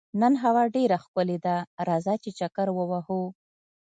نن هوا ډېره ښکلې ده، راځه چې چکر ووهو.